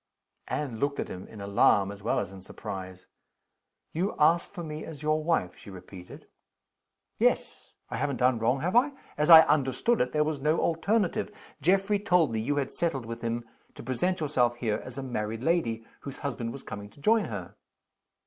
Anne looked at him in alarm as well as in surprise. "You asked for me as your wife?" she repeated. "Yes. I haven't done wrong have I? As I understood it, there was no alternative. Geoffrey told me you had settled with him to present yourself here as a married lady, whose husband was coming to join her."